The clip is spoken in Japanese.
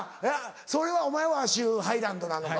それはお前は鷲羽ハイランドなのか。